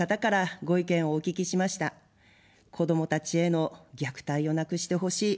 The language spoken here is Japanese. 子どもたちへの虐待をなくしてほしい。